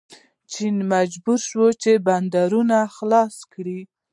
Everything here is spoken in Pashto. چین مجبور شو چې بندرونه خلاص کړي.